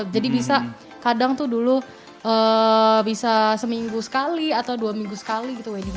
jadi bisa kadang tuh dulu bisa seminggu sekali atau dua minggu sekali gitu wedding an